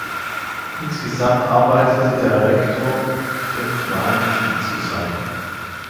Insgesamt arbeitete Director fünf Mal mit Lee zusammen.